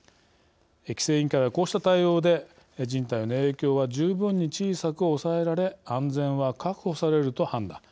規制委員会は、こうした対応で人体への影響は十分に小さく抑えられ安全は確保されると判断。